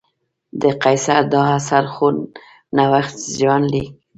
د قیصر دا اثر خود نوشت ژوندلیک دی.